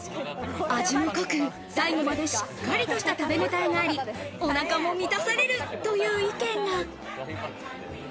味も濃く、最後までしっかりとした食べごたえがあり、お腹も満たされるという意見が。